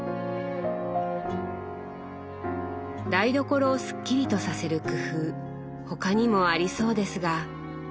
台所をスッキリとさせる工夫他にもありそうですが。